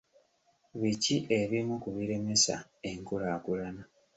Biki ebimu ku biremesa enkulaakulana?